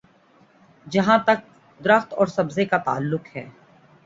جہاں تک درخت اور سبزے کا تعلق ہے۔